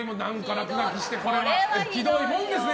落書きしてこれはひどいもんですよ